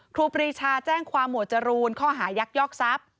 ครูปรีชาแจ้งความหมวดจรูนข้อหายักยอกทรัพย์